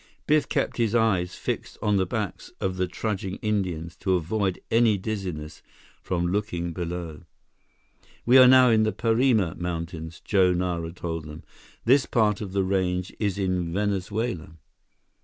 Biff kept his eyes fixed on the backs of the trudging Indians to avoid any dizziness from looking below. "We are now in the Parima Mountains," Joe Nara told them. "This part of the range is in Venezuela."